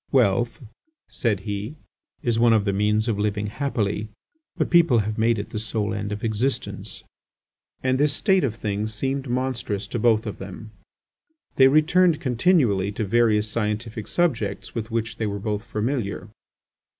"Wealth," said he, "is one of the means of living happily; but people have made it the sole end of existence." And this state of things seemed monstrous to both of them. They returned continually to various scientific subjects with which they were both familiar.